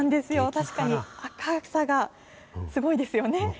確かに、赤さがすごいですよね。